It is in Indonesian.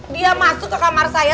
dia masuk ke kamar saya